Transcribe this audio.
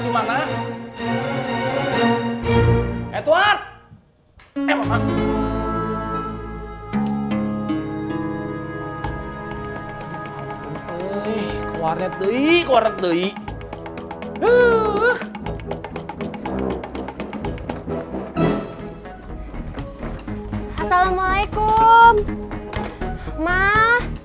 ini anak saya suster